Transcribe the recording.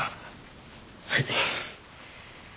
はい。